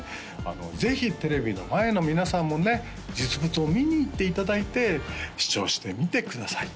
ぜひテレビの前の皆さんもね実物を見に行っていただいて試聴してみてください